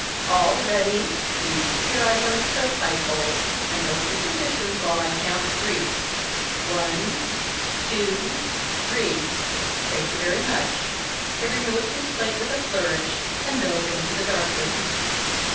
All ready. Please keep your eyes on the stove pipe hole, and hold your positions while I count three. One, two, three thank you very much!" He removed his plate with a flourish, and dove into the dark room.